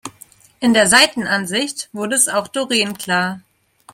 In der Seitenansicht wurde es auch Doreen klar.